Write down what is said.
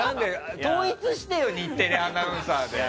統一してよ日テレアナウンサーで。